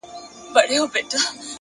که رېښتيا په ځمکه نه ښکارې هلکه